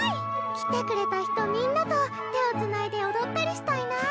来てくれた人みんなと手をつないで踊ったりしたいなあ。